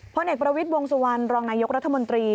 เอกประวิทย์วงสุวรรณรองนายกรัฐมนตรี